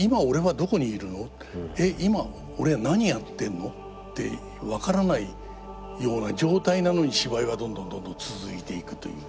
えっ今俺何やってんの？」って分からないような状態なのに芝居はどんどんどんどん続いていくという。